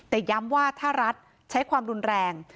แต่ย้ำว่าถ้ารัฐใช้ความรุนแรง